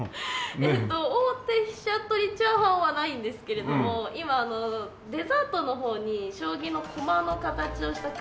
えっと王手飛車取りチャーハンはないんですけれども今デザートの方に将棋の駒の形をしたクッキー。